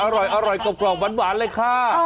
อร่อยอร่อยกรอบหวานเลยค่ะ